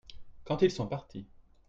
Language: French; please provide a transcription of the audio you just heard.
Quand ils sont partis.